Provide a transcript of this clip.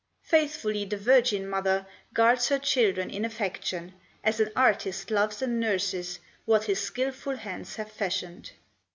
Faithfully the virgin mother Guards her children in affection, As an artist loves and nurses What his skillful hands have fashioned.